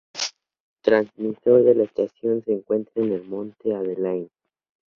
Transmisor de la estación se encuentra en el Monte Adelaide.